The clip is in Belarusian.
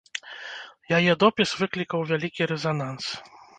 Яе допіс выклікаў вялікі рэзананс.